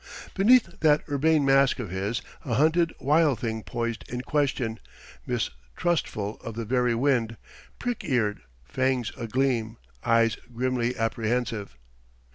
Beneath that urbane mask of his, a hunted, wild thing poised in question, mistrustful of the very wind, prick eared, fangs agleam, eyes grimly apprehensive....